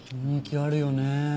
雰囲気あるよね。